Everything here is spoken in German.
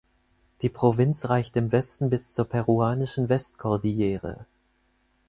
Die Provinz reicht im Westen bis zur peruanischen Westkordillere.